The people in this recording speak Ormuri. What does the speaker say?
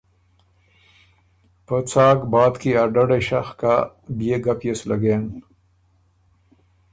پۀ څاک باد کی ا ډدئ شخ کَۀ، بئے ګپ يې سو لګېن۔